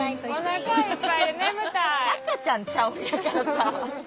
赤ちゃんちゃうんやからさ。